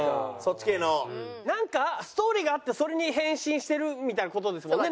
なんかストーリーがあってそれに返信してるみたいな事ですもんね。